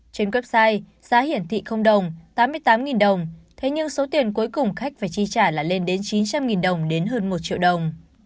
trên website giá hiển thị đồng thế nhưng số tiền cuối cùng khách phải chi trả là lên đến chín trăm linh đồng đến hơn một triệu đồng